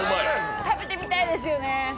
食べてみたいですよね。